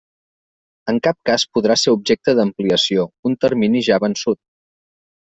En cap cas podrà ser objecte d'ampliació, un termini ja vençut.